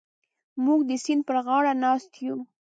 موږ د سیند پر غاړه ناست یو.